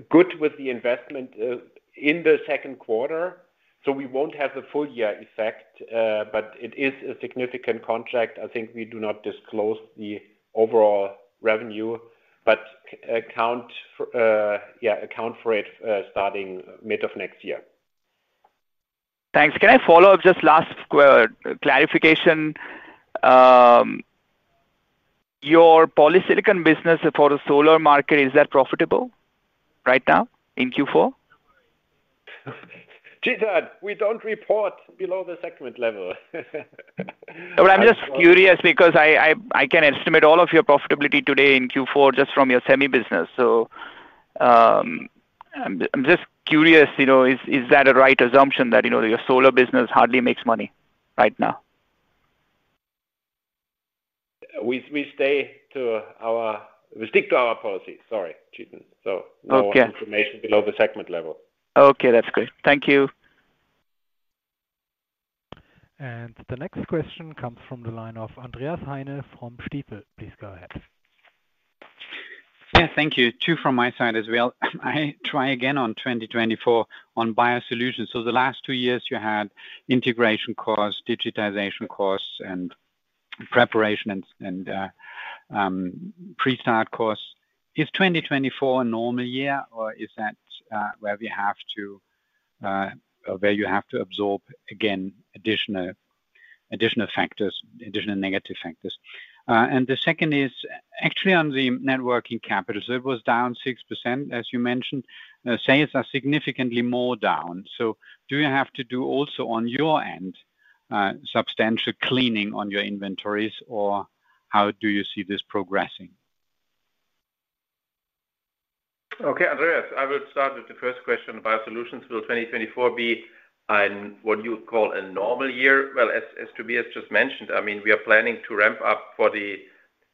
good with the investment in the second quarter, so we won't have the full year effect, but it is a significant contract. I think we do not disclose the overall revenue, but count, yeah, account for it, starting mid of next year. Thanks. Can I follow up just last clarification? Your Polysilicon business for the solar market, is that profitable right now in Q4? Chetan, we don't report below the segment level. Well, I'm just curious because I can estimate all of your profitability today in Q4 just from your semi business. So, I'm just curious, you know, is that a right assumption that, you know, your solar business hardly makes money right now? We stick to our policy. Sorry, Chetan. So- Okay. No information below the segment level. Okay, that's great. Thank you. The next question comes from the line of Andreas Heine from Stifel. Please go ahead. Yeah, thank you. Two from my side as well. I try again on 2024 on biosolutions. So the last two years, you had integration costs, digitization costs, and preparation and pre-start costs. Is 2024 a normal year, or is that where we have to where you have to absorb, again, additional, additional factors, additional negative factors? And the second is actually on the net working capital. It was down 6%, as you mentioned. Sales are significantly more down. So do you have to do also on your end, substantial cleaning on your inventories, or how do you see this progressing? Okay, Andreas, I will start with the first question. Biosolutions, will 2024 be, what you call a normal year? Well, as Tobias just mentioned, I mean, we are planning to ramp up for the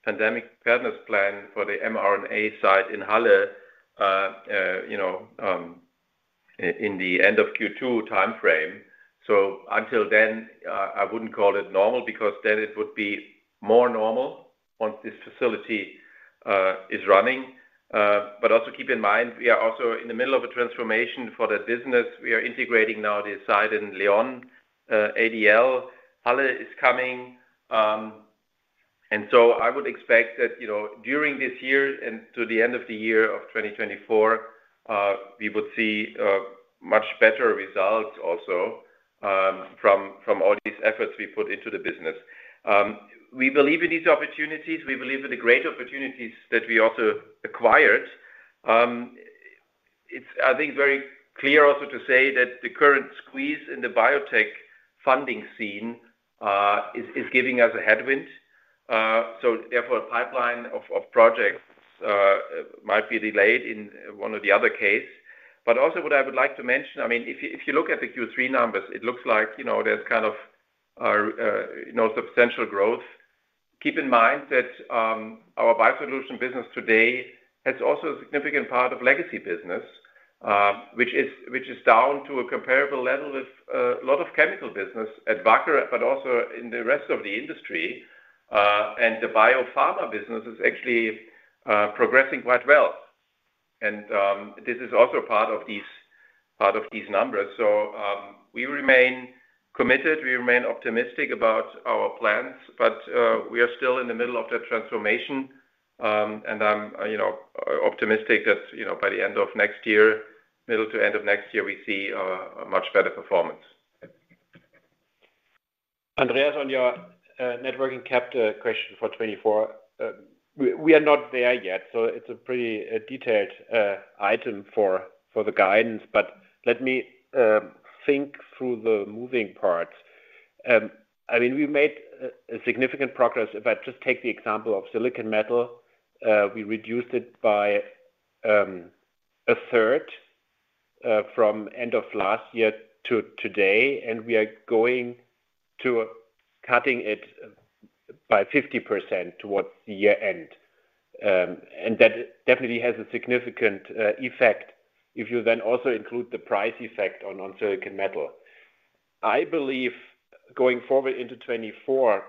pandemic preparedness plan for the mRNA site in Halle, you know, in the end of Q2 time frame. So until then, I wouldn't call it normal because then it would be more normal once this facility is running. But also keep in mind, we are also in the middle of a transformation for the business. We are integrating now the site in León, ADL. Halle is coming, and so I would expect that, you know, during this year and to the end of the year of 2024, we would see much better results also from all these efforts we put into the business. We believe in these opportunities. We believe in the great opportunities that we also acquired. It's, I think, very clear also to say that the current squeeze in the biotech funding scene is giving us a headwind. So therefore, a pipeline of projects might be delayed in one or the other case. But also what I would like to mention, I mean, if you, if you look at the Q3 numbers, it looks like, you know, there's kind of, you know, substantial growth. Keep in mind that, our Biosolutions business today has also a significant part of legacy business, which is down to a comparable level with a lot of chemical business at Wacker, but also in the rest of the industry. And the biopharma business is actually progressing quite well. And this is also part of these numbers. So, we remain committed, we remain optimistic about our plans, but we are still in the middle of that transformation. And I'm, you know, optimistic that, you know, by the end of next year, middle to end of next year, we see a much better performance. Andreas, on your net working capital question for 2024, we are not there yet, so it's a pretty detailed item for the guidance. Let me think through the moving parts. I mean, we've made significant progress. If I just take the example of silicon metal, we reduced it by a third from end of last year to today, and we are going to cut it by 50% towards the year end. That definitely has a significant effect if you then also include the price effect on silicon metal. I believe going forward into 2024,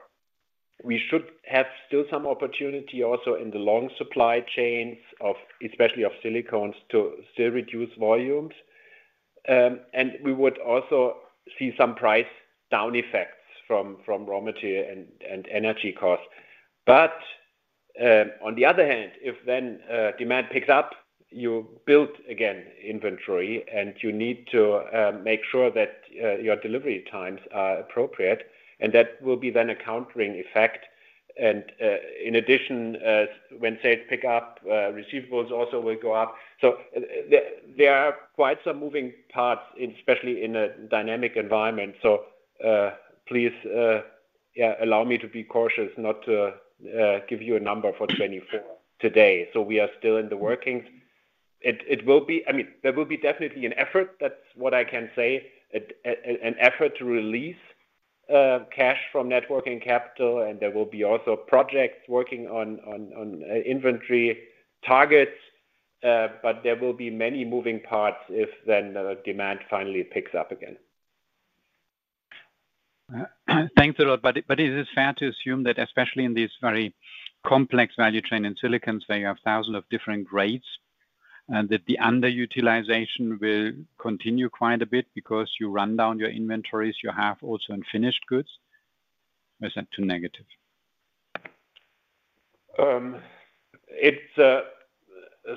we should have still some opportunity also in the long supply chains, especially of Silicones, to still reduce volumes. We would also see some price down effects from raw material and energy costs. On the other hand, if demand picks up, you build again inventory, and you need to make sure that your delivery times are appropriate, and that will be then a countering effect. In addition, when sales pick up, receivables also will go up. There are quite some moving parts, especially in a dynamic environment. Please, yeah, allow me to be cautious not to give you a number for 2024 today. We are still in the working. It will be—I mean, there will be definitely an effort, that's what I can say, an effort to release cash from net working capital, and there will be also projects working on inventory targets, but there will be many moving parts if then the demand finally picks up again. Thanks a lot. But is it fair to assume that especially in these very complex value chain in Silicones, where you have thousands of different grades, and that the underutilization will continue quite a bit because you run down your inventories, you have also unfinished goods, or is that too negative?... It's a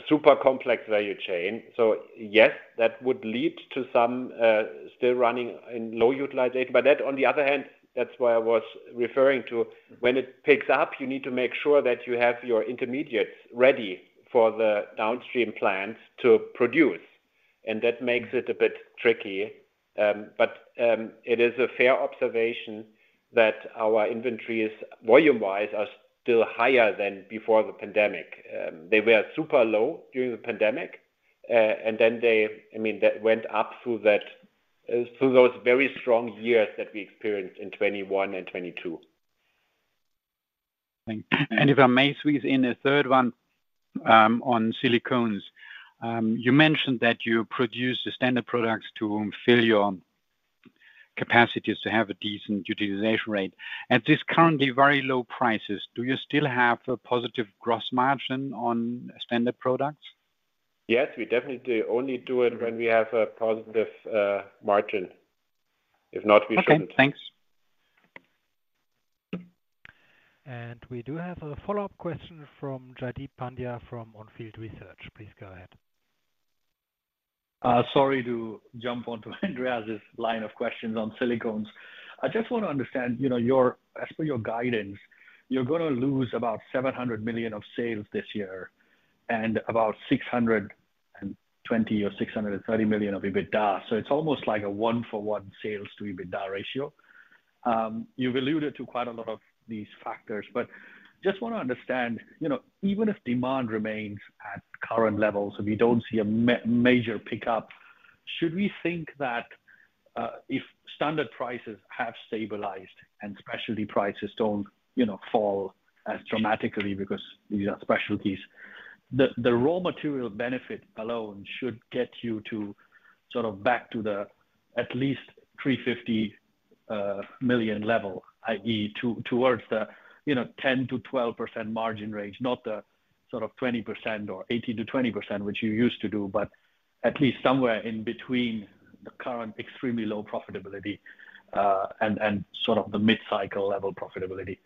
super complex value chain. So yes, that would lead to some still running in low utilization. But that on the other hand, that's why I was referring to when it picks up, you need to make sure that you have your intermediates ready for the downstream plants to produce, and that makes it a bit tricky. But it is a fair observation that our inventories, volume-wise, are still higher than before the pandemic. They were super low during the pandemic, and then that went up through that, through those very strong years that we experienced in 2021 and 2022. Thank you. And if I may squeeze in a third one, on Silicones. You mentioned that you produce the standard products to fill your capacities to have a decent utilization rate. At this currently very low prices, do you still have a positive gross margin on standard products? Yes, we definitely only do it when we have a positive margin. If not, we shouldn't. Okay, thanks. We do have a follow-up question from Jaideep Pandya from On Field Investment Research. Please go ahead. Sorry to jump onto Andreas's line of questions on Silicones. I just want to understand, you know, your-- as per your guidance, you're gonna lose about 700 million of sales this year and about 620 or 630 million of EBITDA. So it's almost like a one for one sales to EBITDA ratio. You've alluded to quite a lot of these factors, but just want to understand, you know, even if demand remains at current levels, if you don't see a major pickup, should we think that, if standard prices have stabilized and specialty prices don't, you know, fall as dramatically because these are specialties, the raw material benefit alone should get you to sort of back to the at least 350 million level, i.e., towards the, you know, 10%-12% margin range, not the sort of 20% or 80%-20%, which you used to do, but at least somewhere in between the current extremely low profitability, and sort of the mid-cycle level profitability.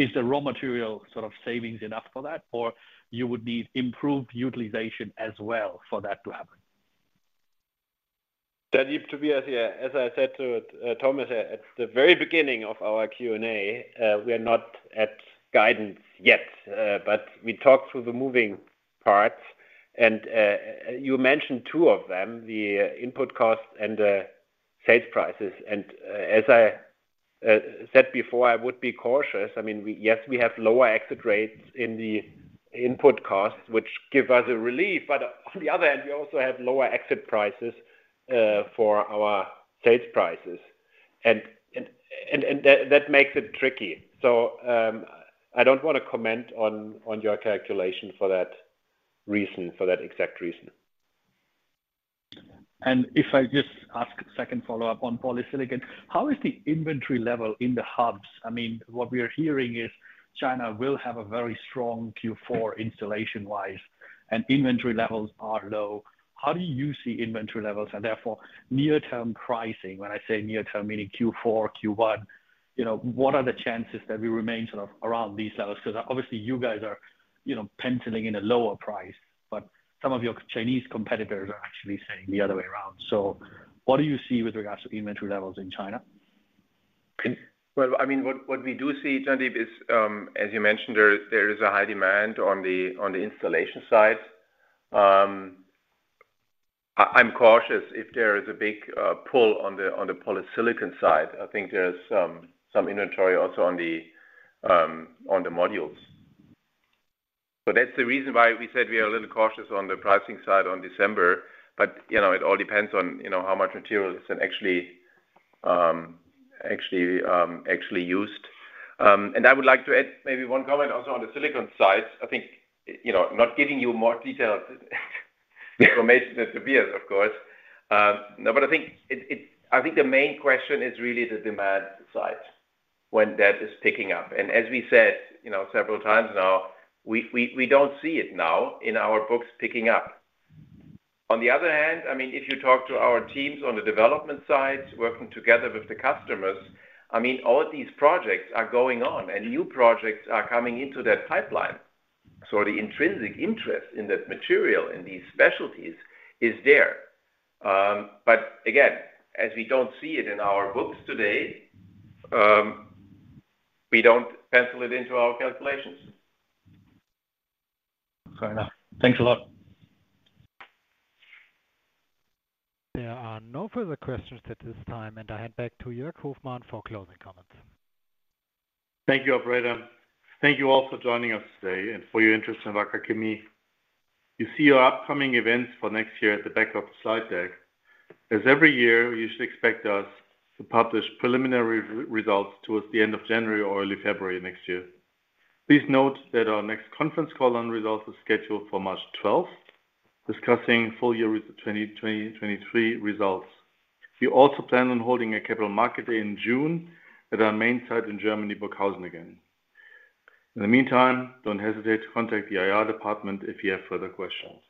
Is the raw material sort of savings enough for that, or you would need improved utilization as well for that to happen? Jaideep, Tobias here, as I said to Thomas at the very beginning of our Q&A, we are not at guidance yet, but we talked through the moving parts, and you mentioned two of them, the input costs and the sales prices. And, as I said before, I would be cautious. I mean, we—yes, we have lower exit rates in the input costs, which give us a relief, but on the other hand, we also have lower exit prices for our sales prices. And that makes it tricky. So, I don't want to comment on your calculation for that reason, for that exact reason. If I just ask a second follow-up on Polysilicon, how is the inventory level in the hubs? I mean, what we are hearing is China will have a very strong Q4 installation-wise, and inventory levels are low. How do you see inventory levels and therefore near-term pricing? When I say near-term, meaning Q4, Q1, you know, what are the chances that we remain sort of around these levels? Because obviously, you guys are, you know, penciling in a lower price, but some of your Chinese competitors are actually saying the other way around. So what do you see with regards to inventory levels in China? Well, I mean, what we do see, Jaideep, is, as you mentioned, there is a high demand on the installation side. I'm cautious if there is a big pull on the Polysilicon side. I think there's some inventory also on the modules. So that's the reason why we said we are a little cautious on the pricing side on December, but, you know, it all depends on, you know, how much material is actually used. And I would like to add maybe one comment also on the silicon side. I think, you know, not giving you more details, information than Tobias, of course. But I think the main question is really the demand side, when that is picking up. And as we said, you know, several times now, we don't see it now in our books picking up. On the other hand, I mean, if you talk to our teams on the development side, working together with the customers, I mean, all these projects are going on, and new projects are coming into that pipeline. So the intrinsic interest in that material, in these specialties is there. But again, as we don't see it in our books today, we don't pencil it into our calculations. Fair enough. Thanks a lot. There are no further questions at this time, and I hand back to Jörg Hoffmann for closing comments. Thank you, operator. Thank you all for joining us today and for your interest in Wacker Chemie. You see our upcoming events for next year at the back of the slide deck. As every year, you should expect us to publish preliminary results towards the end of January or early February next year. Please note that our next conference call on results is scheduled for March 12, discussing full year 2023 results. We also plan on holding a capital market day in June at our main site in Germany, Burghausen again. In the meantime, don't hesitate to contact the IR department if you have further questions.